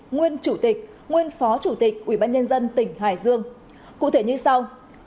nguyên chủ tịch nguyên phó chủ tịch ubnd tỉnh hải dương cụ thể như sau